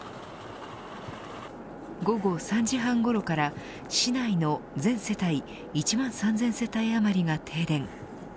午後３時半ごろから市内の全世帯１万３０００世帯余りが停電。